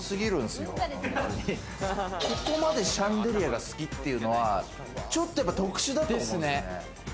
ここまでシャンデリアが好きっていうのはちょっと特殊だと思うんですよね。